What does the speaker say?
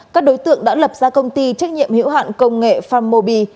các đối tượng đã lập ra công ty trách nhiệm hiệu hạn công nghệ phammobi